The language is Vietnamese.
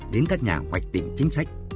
đến các nhà hoạch tỉnh chính sách